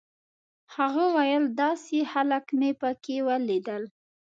هغه ویل داسې خلک مې په کې ولیدل.